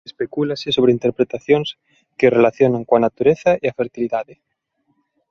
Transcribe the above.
Especúlase sobre interpretacións que o relacionan coa natureza e a fertilidade.